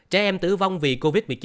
trẻ em tử vong vì covid một mươi chín